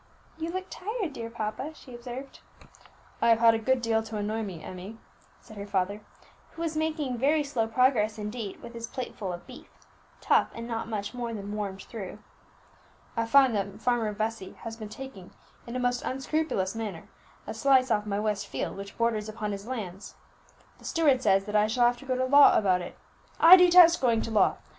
"You look tired, dear papa," she observed. "I have had a good deal to annoy me, Emmie," said her father, who was making very slow progress indeed with his plateful of beef, tough and not much more than warmed through. "I find that Farmer Vesey has been taking, in a most unscrupulous manner, a slice off my west field which borders upon his lands. The steward says that I shall have to go to law about it. I detest going to law!